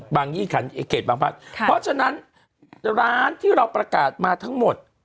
บางยี่เกรดบางภาษาเพราะฉะนั้นร้านที่เราประกาศมาทั้งหมด